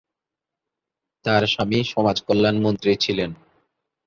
তার স্বামী সমাজকল্যাণ মন্ত্রী ছিলেন।